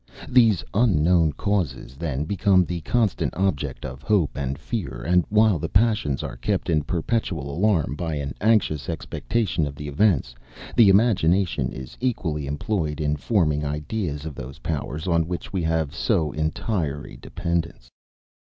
These unknown causes, then, become the constant object of hope and fear; and while the passions are kept in perpetual alarm by an anxious expectation of the events, the imagination is equally employed in forming ideas of those powers on which we have so entire a dependence.